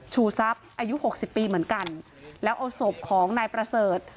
ชูทรัพย์อายุหกสิบปีเหมือนกันแล้วเอาศพของนายประเสริฐ